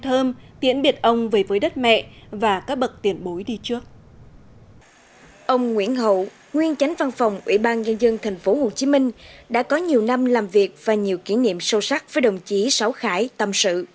ông nguyễn hậu nguyên tránh văn phòng ủy ban nhân dân tp hcm đã có nhiều năm làm việc và nhiều kỷ niệm sâu sắc với đồng chí sáu khải tâm sự